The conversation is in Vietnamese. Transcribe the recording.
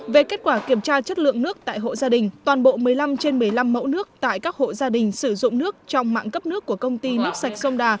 về kết quả kiểm tra chất lượng nước tại hộ gia đình toàn bộ một mươi năm trên một mươi năm mẫu nước tại các hộ gia đình sử dụng nước trong mạng cấp nước của công ty nước sạch sông đà